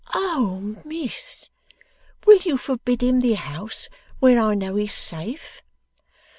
'Oh, Miss, will you forbid him the house where I know he's safe?